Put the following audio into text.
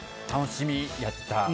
楽しみやった。